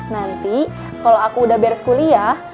nanti kalau aku udah beres kuliah